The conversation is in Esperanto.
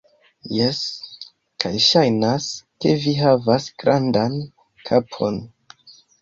Jes, kaj ŝajnas ke vi havas grandan kapon